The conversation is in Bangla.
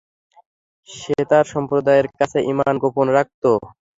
সে তার সম্প্রদায়ের কাছে ঈমান গোপন রাখত।